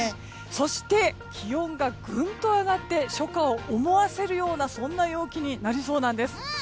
そして、気温がグンと上がって初夏を思わせるような陽気になりそうなんです。